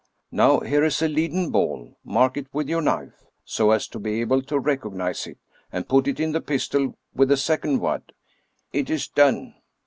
" Now, here is a leaden ball ; mark it with your knife, so as to be able to recognize it, and put it in the pistol, with a second wad." " It is done."